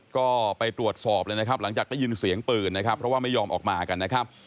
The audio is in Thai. ก็ไปตรวจสอบเลยนะครับหลังจากได้ยินเสียงปืนนะครับเพราะว่าไม่ยอมออกมากันนะครับ